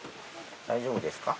大丈夫ですか？